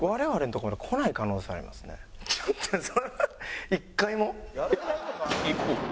ちょっとそれは１回も？